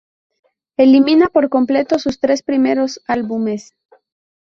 Elimina por completo sus tres primeros álbumes.